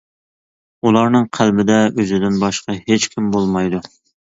ئۇلارنىڭ قەلبىدە ئۆزىدىن باشقا ھېچكىم بولمايدۇ.